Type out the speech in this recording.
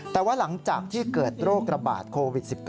แต่ว่าหลังจากที่เกิดโรคระบาดโควิด๑๙